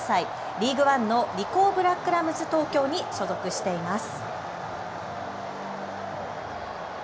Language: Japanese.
リーグワンのリコーブラックラムズ東京に所属しています。